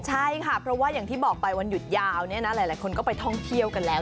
ใช่ค่ะเพราะว่าอย่างที่บอกไปวันหยุดยาวเนี่ยนะหลายคนก็ไปท่องเที่ยวกันแล้ว